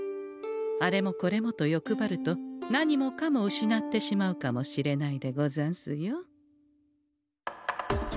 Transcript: あれもこれもとよくばると何もかも失ってしまうかもしれないでござんすよ。